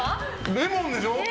レモンでしょ。